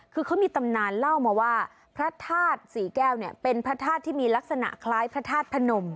คือเขามีตำนานเล่ามาว่าพระธาตุศรีแก้วเนี่ยเป็นพระธาตุที่มีลักษณะคล้ายพระธาตุพนม